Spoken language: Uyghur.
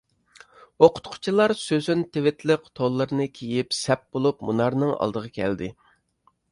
ئوقۇتقۇچىلار سۆسۈن تىۋىتلىق تونلىرىنى كىيىپ، سەپ بولۇپ مۇنارنىڭ ئالدىغا كەلدى.